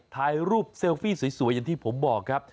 ถ่ายรูปเซลฟี่สวยอย่างที่ผมบอกครับ